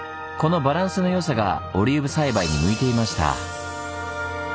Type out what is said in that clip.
このバランスのよさがオリーブ栽培に向いていました。